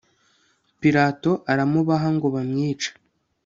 pilato aramubaha ngo bamwice